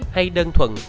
hay đơn thuần